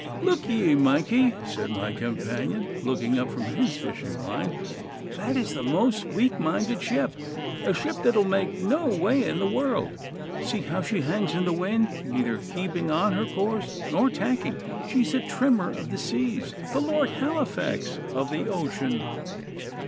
'Look ye, Micah,' said my companion, looking up from his fishing line. 'That is a most weak minded ship a ship which will make no way in the world. See how she hangs in the wind, neither keeping on her course nor tacking. She is a trimmer of the seas the Lord Halifax of the ocean.